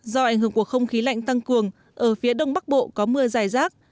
do ảnh hưởng của không khí lạnh tăng cường ở phía đông bắc bộ có mưa dài rác